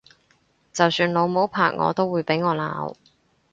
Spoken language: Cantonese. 就算老母拍我都會俾我鬧！